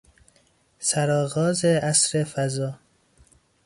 سرآغاز عصر فضا